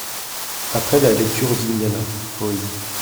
Après la lecture d'Indiana, poésie.